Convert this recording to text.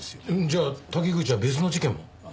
じゃあ滝口は別の事件も？